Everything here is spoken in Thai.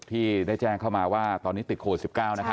ที่ได้แจ้งเข้ามาว่าตอนนี้ติดโควิด๑๙